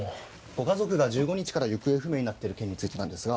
ご家族が１５日から行方不明になっている件についてなんですが。